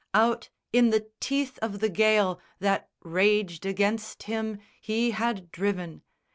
Out in the teeth of the gale That raged against him he had driven.